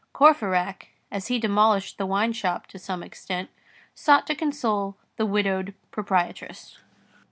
Courfeyrac, as he demolished the wine shop to some extent, sought to console the widowed proprietress.